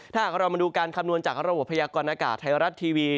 ถ้าหากเรามาดูการคำนวณจากระบบพยากรณากาศไทยรัฐทีวี